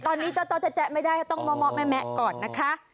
ตอนนี้เจ้าแจ๊ไม่ได้ต้องเมาะแมะก่อนนะคะ